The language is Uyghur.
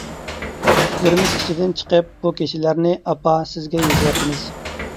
چۈشلىرىمىز ئىچىدىن چىقىپ بۇ كېچىلەرنى ئاپا سىزگە يېزىۋاتىمىز.